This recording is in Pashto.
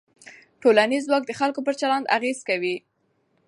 ټولنیز ځواک د خلکو پر چلند اغېز کوي.